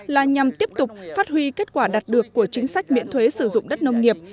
là nhằm tiếp tục phát huy kết quả đạt được của chính sách miễn thuế sử dụng đất nông nghiệp